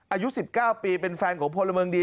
อายุ๑๙ปีเป็นแฟนของพลเมืองดี